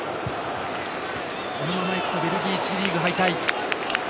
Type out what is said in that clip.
このままいくとベルギー１次リーグ敗退。